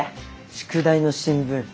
宿題の新聞